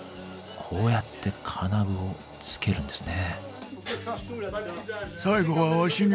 こうやって金具を付けるんですね。